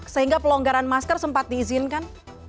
sehingga pelonggaran masker sempat diizinkan